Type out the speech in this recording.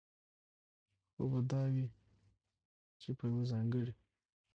خو به دا وي، چې په يوه ځانګړي